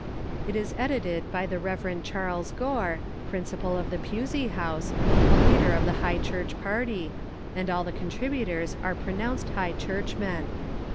It is edited by the Rev. Charles Gore, principal of the Pusey House, a leader of the High Church party, and all the contributors are pronounced High Churchmen.